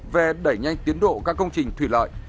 về đẩy nhanh tiến độ các công trình thủy lợi